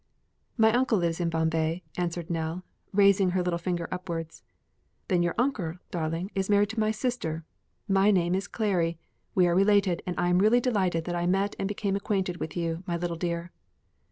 "My uncle lives in Bombay," answered Nell, raising her little finger upwards. "Then your uncle, darling, is married to my sister. My name is Clary. We are related, and I am really delighted that I met and became acquainted with you, my little dear."